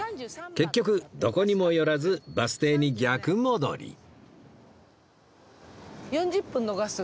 結局どこにも寄らずバス停に逆戻り